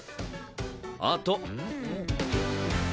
あと。